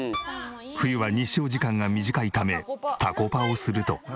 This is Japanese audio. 冬は日照時間が短いためタコパをすると。